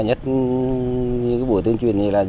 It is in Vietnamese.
nhất những cái buổi tuyên truyền như thế này